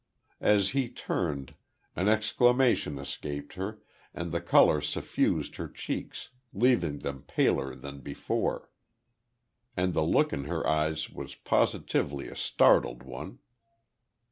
As he turned, an exclamation escaped her, and the colour suffused her cheeks, leaving them paler than before. And the look in her eyes was positively a startled one.